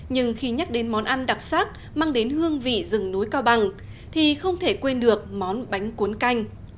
nhưng khi nhắc đến món ăn đặc sắc mang đến hương vị rừng núi cao bằng thì không thể quên được món bánh cuốn canh